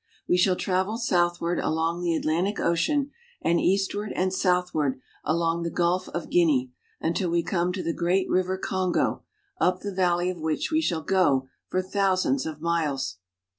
We shall travel southward along the Atlantic Ocean and | L eastward and southward along the Gulf of Guinea, until J we come to the great river Kongo, up the valley of which I we shall go for thousands of miles.